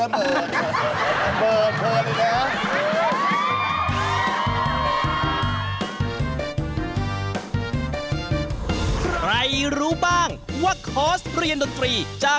อะไรนะ